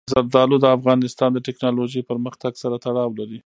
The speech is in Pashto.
زردالو د افغانستان د تکنالوژۍ پرمختګ سره تړاو لري.